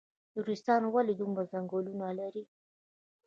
نورستان ولې دومره ځنګلونه لري؟